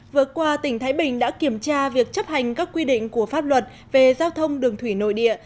vừa qua tỉnh thái bình đã kiểm tra việc chấp hành các quy định của pháp luật về giao thông đường thủy nội địa